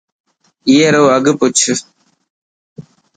اي رو اگھه پوڇ.